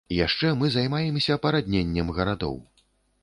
Яшчэ мы займаемся парадненнем гарадоў.